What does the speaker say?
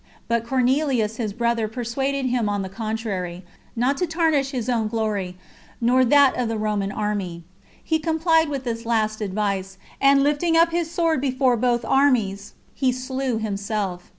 But Cornelius his brother persuaded him on the contrary, not to tarnish his own glory, nor that of the Roman army. He complied with this last advice, and lifting up his sword before both armies, he slew himself.